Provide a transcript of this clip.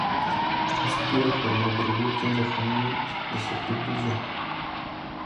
Щом събираха едно-друго, кимваха ми да се приближа.